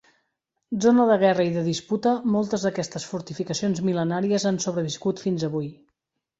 Zona de guerra i de disputa, moltes d'aquestes fortificacions mil·lenàries han sobreviscut fins avui.